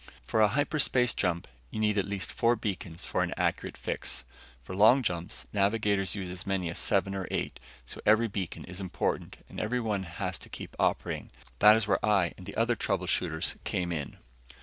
For a hyperspace jump, you need at least four beacons for an accurate fix. For long jumps, navigators use as many as seven or eight. So every beacon is important and every one has to keep operating. That is where I and the other trouble shooters came in.